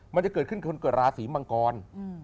มันจะเกิดขึ้นคนเกิดราศีมังกร